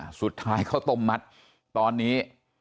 ขอบคุณเลยนะฮะคุณแพทองธานิปรบมือขอบคุณเลยนะฮะ